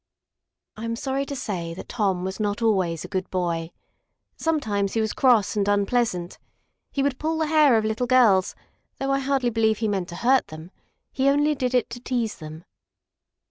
I am sorry to say Tom was not always a good boy. Sometimes he was cross and unpleasant. He would pull the hair of little girls, though I hardly believe he meant to hurt them. He only did it to tease them.